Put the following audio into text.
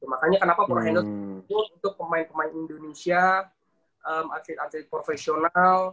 makanya kenapa pro handlers itu untuk pemain pemain indonesia atlet atlet profesional